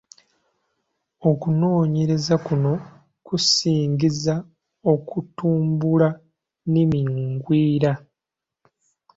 Okunoonyereza kuno kusingizza kutumbula nnimi ngwira.